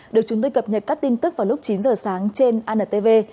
được chúng tôi cập nhật các tin tức vào lúc chín giờ sáng trên antv